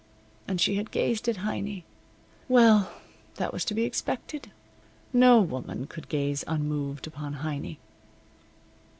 And she had gazed at Heiny. Well, that was to be expected. No woman could gaze unmoved upon Heiny.